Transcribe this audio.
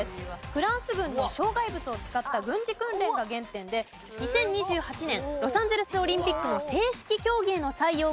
フランス軍の障害物を使った軍事訓練が原点で２０２８年ロサンゼルスオリンピックの正式競技への採用が検討されているそうです。